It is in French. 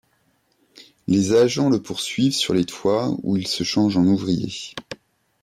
Les agents le poursuivent sur les toits où il se change en ouvrier.